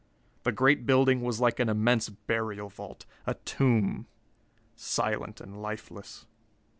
The great building was like an immense burial vault, a tomb silent and lifeless.